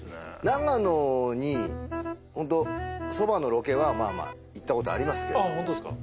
長野にホント蕎麦のロケはまあまあ行ったことありますけどああホントですか？